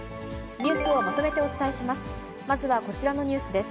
ニュースをまとめてお伝えします。